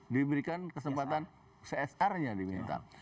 diberikan kesempatan csr nya di mental